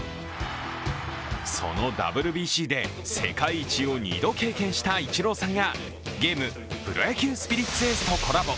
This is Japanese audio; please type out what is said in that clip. そのＷＢＣで世界一を２度経験したイチローさんが、ゲーム「プロ野球スピリッツＡ」とコラボ。